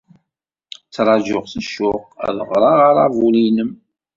Ttṛajuɣ s ccuq ad ɣreɣ aṛabul-nnem.